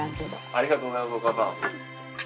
ありがとうございますお母さん。